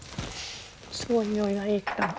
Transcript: すごい匂いがいいから。